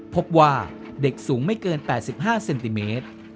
พบว่าเด็กสูงไม่เกิน๘๕เซนติเมตร